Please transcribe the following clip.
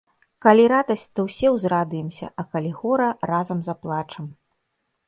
Калі радасць, то ўсе ўзрадуемся, а калі гора, разам заплачам.